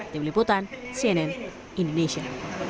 tim liputan cnn indonesia